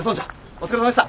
お疲れさまでした。